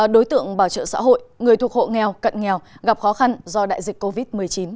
đối tượng bảo trợ xã hội người thuộc hộ nghèo cận nghèo gặp khó khăn do đại dịch covid một mươi chín